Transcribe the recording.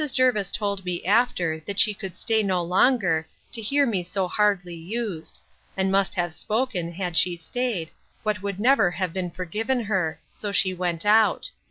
Jervis told me after, that she could stay no longer, to hear me so hardly used; and must have spoken, had she staid, what would never have been forgiven her; so she went out.